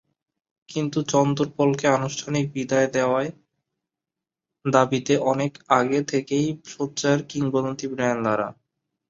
কিন্তু চন্দরপলকে আনুষ্ঠানিক বিদায় দেওয়ার দাবিতে অনেক আগে থেকেই সোচ্চার কিংবদন্তি ব্রায়ান লারা।